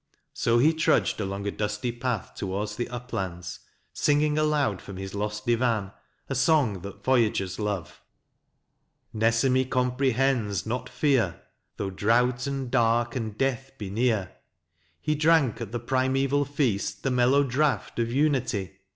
So he trudged along a dusty path towards the uplands, singing aloud from his lost Divan a song that voyagers love: MANSUR 51 Nesemi comprehends not fear, though Drouth and Dark and Death be near ; He drank at the primeval feast the mellow draught of Unity.